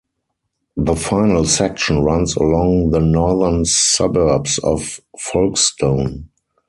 The final section runs along the northern suburbs of Folkestone.